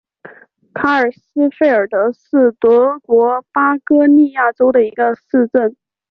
卡尔斯费尔德是德国巴伐利亚州的一个市镇。